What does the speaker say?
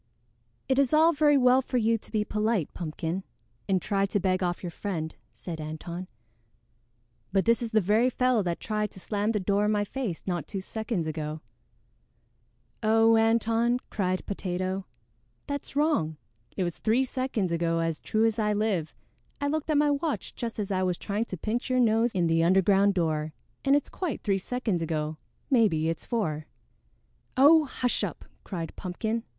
"It is all very well for you to be polite, Pumpkin, and try to beg off your friend," said Antone, "but this is the very fellow that tried to slam the door in my face not two seconds ago." "Oh, Antone," cried Potato, "that's wrong. It was three seconds ago as true as I live. I looked at my watch just as I was trying to pinch your nose in the underground door, and it's quite three seconds ago; maybe it's four." "Oh, hush up!" cried Pumpkin.